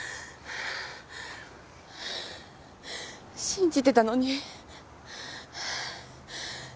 信じてたのに。